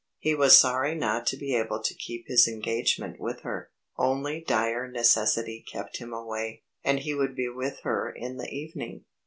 He was sorry not to be able to keep his engagement with her. Only dire necessity kept him away, and he would be with her in the evening.